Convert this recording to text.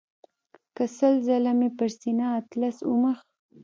که سل ځله مې پر سینه اطلس ومیښ.